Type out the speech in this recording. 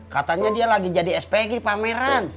katanya dia lagi jadi spg di pameran